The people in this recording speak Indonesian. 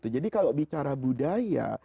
jadi kalau bicara budaya